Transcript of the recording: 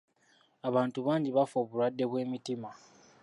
Abantu bangi bafa obulwadde bw'emitima.